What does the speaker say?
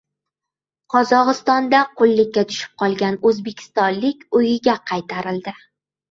Qozog‘istonda qullikka tushib qolgan o‘zbekistonlik uyiga qaytarildi